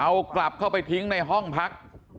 เอากลับเข้าไปทิ้งในห้องพัก